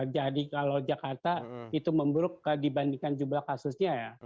jadi kalau jakarta itu memburuk dibandingkan jumlah kasusnya ya